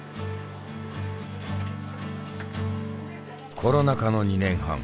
コロナ禍の２年半。